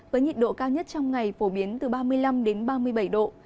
với nhiệt độ cao nhất trong ngày phổ biến từ ba mươi năm ba mươi bảy độ